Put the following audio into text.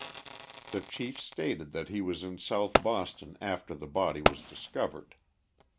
The Chief stated that he was in South Boston after the body was discovered.